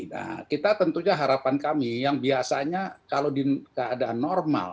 nah kita tentunya harapan kami yang biasanya kalau di keadaan normal